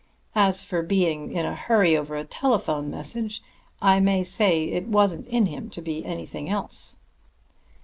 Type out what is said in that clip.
As for being in a hurry over a telephone message, I may say it wasn't in him to be anything else."